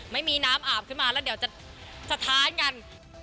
ไม่มีน้ำอาบขึ้นมาแล้วเดี๋ยวจะสะท้านกัน